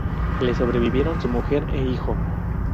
Le sobrevivieron su mujer e hijo.